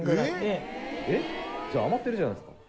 えっ？じゃあ余ってるじゃないですか。